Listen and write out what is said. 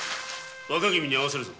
若君に会わせるぞ。